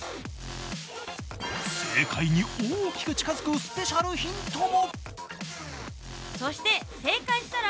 正解に大きく近づくスペシャルヒントも！